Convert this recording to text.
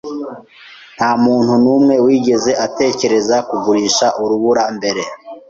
Nta muntu n'umwe wigeze atekereza kugurisha urubura mbere.